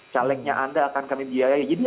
calegnya anda akan kami biayai ini